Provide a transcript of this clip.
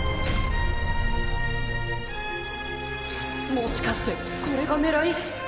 もしかしてこれが狙い？